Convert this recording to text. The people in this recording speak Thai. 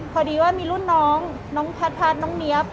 พอดีว่ามีรุ่นน้องน้องพัดน้องเนี๊ยบ